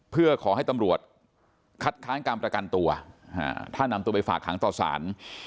เพื่อขอให้ตำรวจคัดค้านการประกันตัวถ้านำตัวไปฝากหางต่อสาร